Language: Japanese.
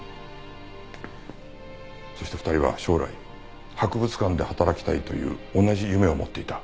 そして２人は将来博物館で働きたいという同じ夢を持っていた。